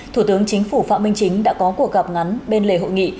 thủ tướng chính phủ phạm minh chính đã có cuộc gặp ngắn bên lề hội nghị